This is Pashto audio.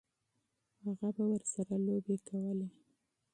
هغه به ورسره لوبې کولې.